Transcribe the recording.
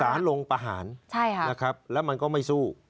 สารลงประหารแล้วมันก็ไม่สู้